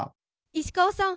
石川さん